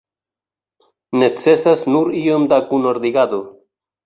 Necesas nur iom da kunordigado.